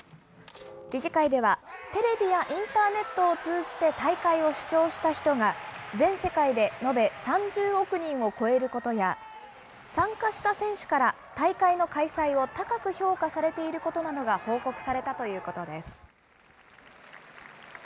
理事会では、テレビやインターネットを通じて大会を視聴した人が全世界で延べ３０億人を超えることや、参加した選手から大会の開催を高く評価されていることなどが報告されたということです。